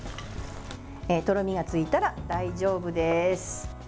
とろみがついたら大丈夫です。